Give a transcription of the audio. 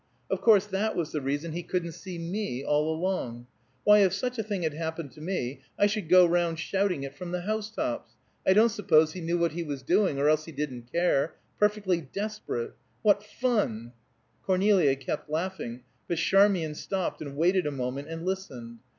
Of course that was the reason he couldn't see me all along. Why, if such a thing had happened to me, I should go round shouting it from the house tops. I don't suppose he knew what he was doing, or else he didn't care; perfectly desperate. What fun!" Cornelia kept laughing, but Charmian stopped and waited a moment and listened.